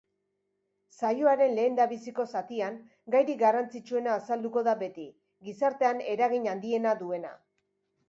Saioaren lehendabiziko zatian gairik garrantzitsuena azalduko da beti, gizartean eragin handiena duena.